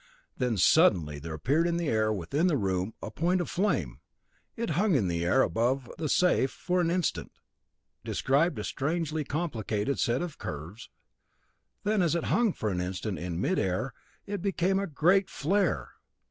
Then suddenly there appeared in the air within the room a point of flame. It hung in the air above the safe for an instant, described a strangely complicated set of curves; then, as it hung for an instant in mid air, it became a great flare.